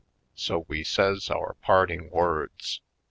So we says our parting words.